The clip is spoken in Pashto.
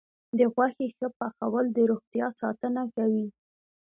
د غوښې ښه پخول د روغتیا ساتنه کوي.